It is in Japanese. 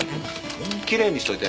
きれいにしておいて。